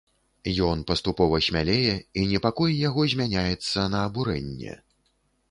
Ён паступова смялее, і непакой яго змяняецца на абурэнне.